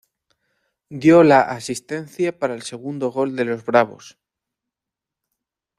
Dio la asistencia para el segundo gol de los "bravos".